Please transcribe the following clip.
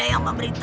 aku lupakan diriku